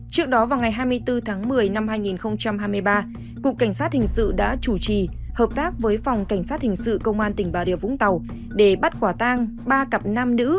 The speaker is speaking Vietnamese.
trước đó vào ngày hai mươi bốn tháng một mươi năm hai nghìn hai mươi ba cục cảnh sát hình sự đã chủ trì hợp tác với phòng cảnh sát hình sự công an tỉnh bà rịa vũng tàu để bắt quả tang ba cặp nam nữ